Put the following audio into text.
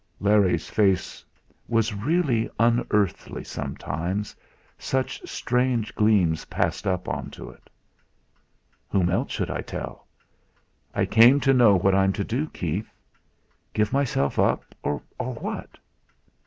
Larry's face was really unearthly sometimes, such strange gleams passed up on to it! "Whom else should I tell? I came to know what I'm to do, Keith? Give myself up, or what?"